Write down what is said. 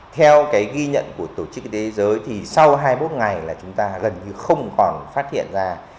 theo cái ghi nhận của tổ chức y tế giới thì sau hai mươi bốn ngày là chúng ta gần như không còn phát hiện ra